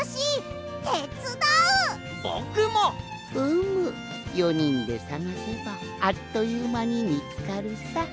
うむ４にんでさがせばあっというまにみつかるさ。